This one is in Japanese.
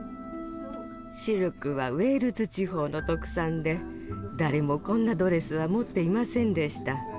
シルクはウェールズ地方の特産で誰もこんなドレスは持っていませんでした。